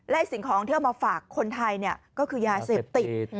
และสิ่งของที่เอามาฝากคนไทยก็คือยาเสพติด